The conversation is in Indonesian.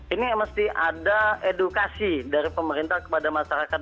ini mesti ada edukasi dari pemerintah kepada masyarakat